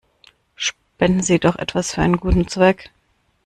Spenden Sie doch etwas für einen guten Zweck!